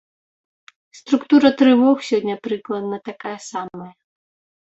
Структура трывог сёння прыкладна такая самая.